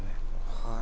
はい。